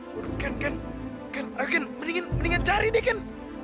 buru kan kan kan mendingan cari deh kan